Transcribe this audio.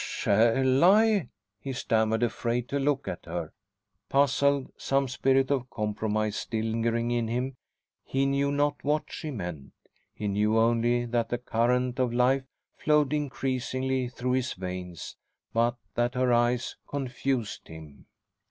"Shall I?" he stammered, afraid to look at her. Puzzled, some spirit of compromise still lingering in him, he knew not what she meant; he knew only that the current of life flowed increasingly through his veins, but that her eyes confused him.